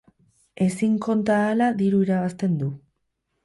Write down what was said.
Ezin konta ahala diru irabazten du.